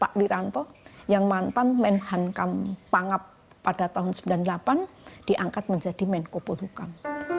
pak wiranto yang mantan menhankam pangap pada tahun seribu sembilan ratus sembilan puluh delapan diangkat menjadi menko polhukam